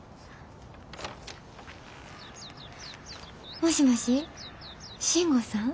もしもし信吾さん？